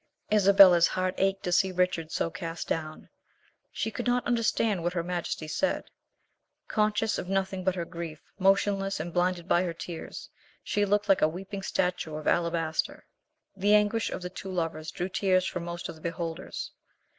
Isabella's heart ached to see Richard so cast down. She could not understand what her majesty said. Conscious of nothing but her grief, motionless, and blinded by her tears, she looked like a weeping statue of alabaster. The anguish of the two lovers drew tears from most of the beholders.